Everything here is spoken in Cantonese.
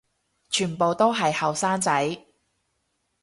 全部都係後生仔